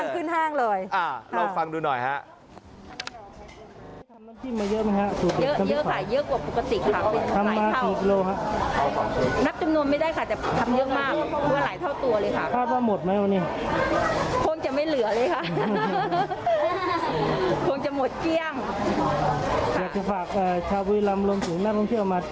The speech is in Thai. ขึ้นห้างขึ้นห้างเลยอ่าเราฟังดูหน่อยฮะ